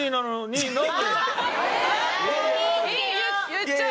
言っちゃおう！